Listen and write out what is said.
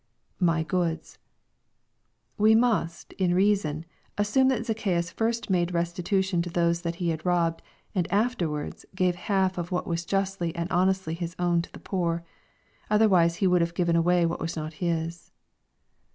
[My goods.] We must, in reason, assume that Zacchaeus first made restitution to those he had rohhed^'m^ afterwards gave half of what was justly and honestly iiis own to the poor. Otherwise he would have given away what was not his.